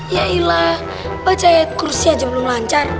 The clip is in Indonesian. yailah baca kursi aja belum lancar